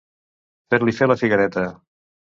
Fer-li fer la figuereta.